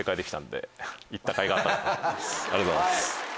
ありがとうございます。